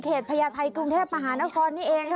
โดยอารีเขตพญาไทยกรุงเทพมหานครนี่เองค่ะ